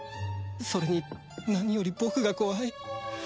それに何より僕が怖い